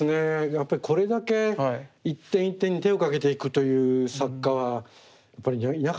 やっぱりこれだけ一点一点に手をかけていくという作家はやっぱりいなかったでしょうね。